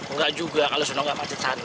enggak juga kalau tidak macet sana